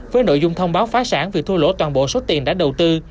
với nội dung thông báo phá sản việc thua lỗ toàn bộ số tiền đã đầu tư